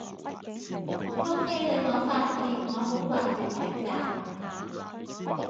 套戲令我發現我好掛住劇集